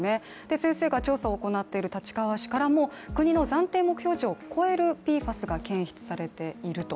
先生が調査を行っている立川市からも国の暫定目標値を超えるＰＦＡＳが検出されていると。